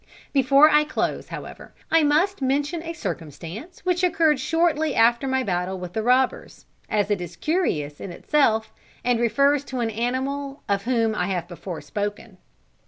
Before I close, however, I must mention a circumstance which occurred shortly after my battle with the robbers, as it is curious in itself, and refers to an animal of whom I have before spoken.